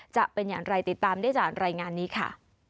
จะเป็นอย่างไรติดตามได้จากรายงานนี้ค่ะ